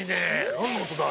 なんのおとだ？